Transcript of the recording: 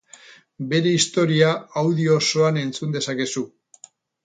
Bere historia audio osoan entzun dezakezu.